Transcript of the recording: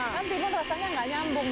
kan timun rasanya nggak nyambung